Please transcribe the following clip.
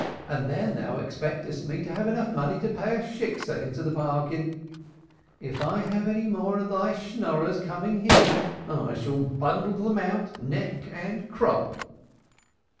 And then thou expectest me to have enough money to pay a Shiksah into the bargain! If I have any more of thy Schnorrers coming here I shall bundle them out neck and crop."